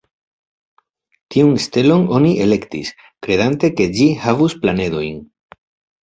Tiun stelon oni elektis, kredante ke ĝi havus planedojn.